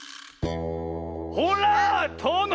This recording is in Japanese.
ほらとの！